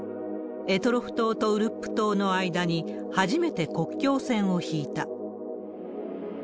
択捉島とウルップ島との間に、初めて国境線を引いた。